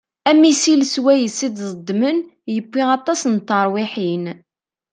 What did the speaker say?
Amisil swayes i d-ẓedmen yewwi aṭas n terwiḥin.